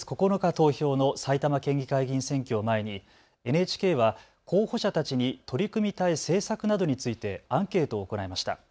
投票の埼玉県議会議員選挙を前にＮＨＫは候補者たちに取り組みたい政策などについてアンケートを行いました。